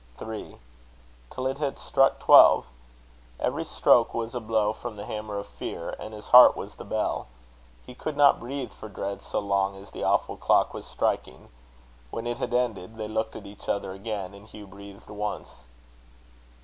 three...till it had struck twelve. Every stroke was a blow from the hammer of fear, and his heart was the bell. He could not breathe for dread so long as the awful clock was striking. When it had ended, they looked at each other again, and Hugh breathed once.